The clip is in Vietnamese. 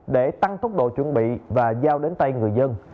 để tăng tốc độ chuẩn bị và giao đến tay người dân